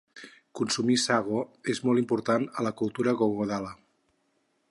Consumir sago és molt important a la cultura Gogodala.